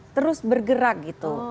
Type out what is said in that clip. terus bergerak gitu